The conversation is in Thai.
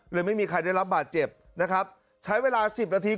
ไม่มีใครได้รับบาดเจ็บนะครับใช้เวลาสิบนาที